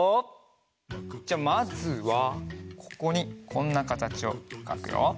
じゃあまずはここにこんなかたちをかくよ。